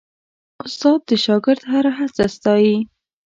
استاد د شاګرد هره هڅه ستايي.